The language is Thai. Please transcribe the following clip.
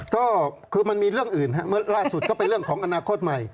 ก็คือมันมีเรื่องอื่นลาดสุดก็เป็นเรื่องของอนาคตใหม่